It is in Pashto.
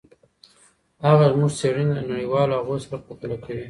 هغه زموږ څېړني له نړیوالو هغو سره پرتله کوي.